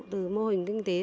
từ mô hình kinh tế